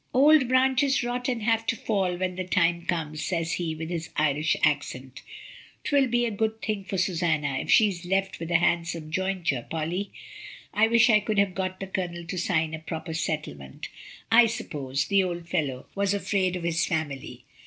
"Old branches rot and have to fall when the time comes," says he, with his Irish accent. " 'Twill be a good thing for Susanna if she is left with a handsome jointure, Polly. I wish I could have got the Colonel to sign a proper settlement. I suppose the old fellow was afraid of his family."